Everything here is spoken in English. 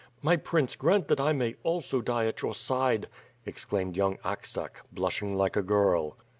"My Prince, grant that I may also die at your side," ex claimed young Aksak, blushing like a girl.